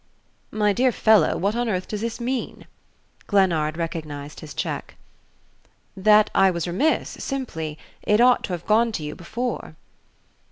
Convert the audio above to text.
"My dear fellow, what on earth does this mean?" Glennard recognized his check. "That I was remiss, simply. It ought to have gone to you before."